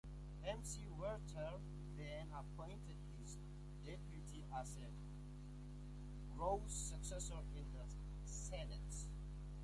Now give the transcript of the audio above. McWherter then appointed his deputy as Gore's successor in the Senate.